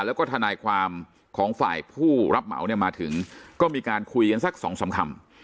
แล้วก็ทนายความของฝ่ายผู้รับเหมาเนี่ยมาถึงก็มีการคุยกันสักสองสามคำ